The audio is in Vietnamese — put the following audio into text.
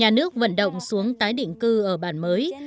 nhà nước vận động xuống tái định cư ở bản mới